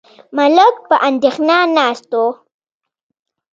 ملک په اندېښنه ناست و.